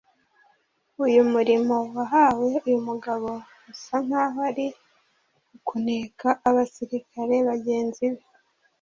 Uyu murimo wahawe uyu mugabo usa nk’aho ari ukuneka abasirikare bagenzi be